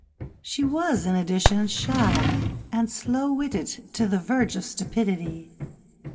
She was, in addition, shy and slow witted to the verge of stupidity.